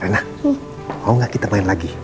rena mau gak kita main lagi